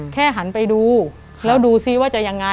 หันไปดูแล้วดูซิว่าจะยังไง